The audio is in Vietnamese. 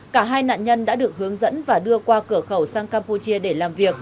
cả hai nạn nhân đã được hướng dẫn và đưa qua cửa khẩu sang campuchia để làm việc